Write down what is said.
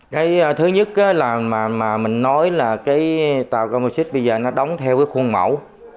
cái thứ nhất là mà mình nói là cái tàu comoxit bây giờ nó đóng theo cái khuôn mẫu